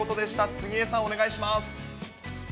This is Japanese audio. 杉江さん、お願いします。